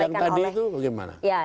yang tadi itu bagaimana